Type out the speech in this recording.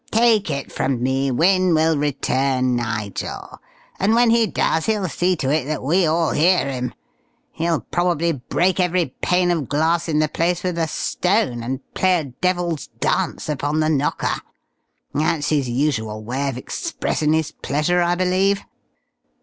Take it from me, Wynne will return, Nigel, and when he does he'll see to it that we all hear him. He'll probably break every pane of glass in the place with a stone, and play a devil's dance upon the knocker. That's his usual way of expressin' his pleasure, I believe.